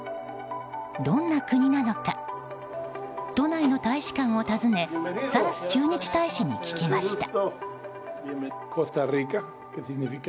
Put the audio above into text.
どんな国なのか都内の大使館を訪ねサラス駐日大使に聞きました。